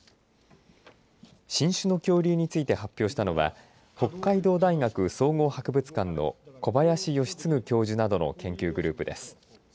新種の恐竜について発表したのは北海道大学総合博物館の小林快次教授などの研究グループです。